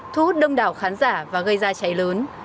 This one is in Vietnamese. thu hút đông đảo khán giả và gây ra cháy lớn